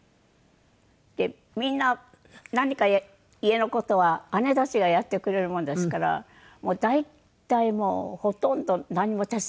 みんな何か家の事は姉たちがやってくれるもんですから大体ほとんど何も手伝う事なく。